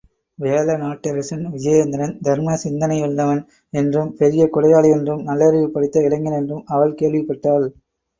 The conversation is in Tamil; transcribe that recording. வேழநாட்டரசன் விஜயேந்திரன் தர்ம சிந்தையுள்ளவன் என்றும் பெரிய கொடையாளி என்றும் நல்லறிவு படைத்த இளைஞன் என்றும் அவள் கேள்விப்பட்டாள்.